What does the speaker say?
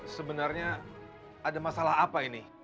sebenarnya ada masalah apa ini